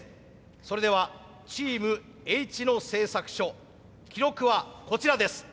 それではチームＨ野製作所記録はこちらです。